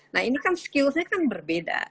nah ini kan skills nya kan berbeda